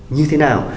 như thế nào